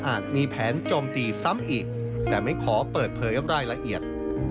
มีแผนโจมตีซ้ำอีกแต่ไม่ขอเปิดเผยรายละเอียด